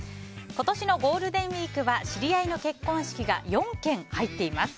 今年のゴールデンウィークは知り合いの結婚式が４件入っています。